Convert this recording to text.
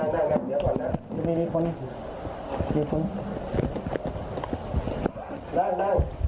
ถ้าอยู่ส่วนสือตัวผมจะไปติดเสา